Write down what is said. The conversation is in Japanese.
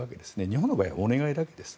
日本の場合はお願いだけです。